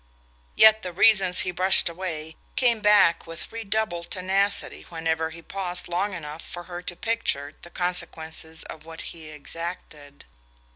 Yet the reasons he brushed away came back with redoubled tenacity whenever he paused long enough for her to picture the consequences of what he exacted.